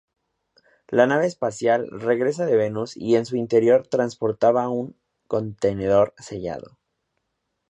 La nave espacial regresa de Venus y en su interior transportaba un contenedor sellado.